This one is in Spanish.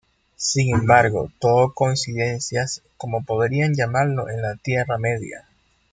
Sin embargo, todo "coincidencias", como podrían llamarlo en la Tierra Media.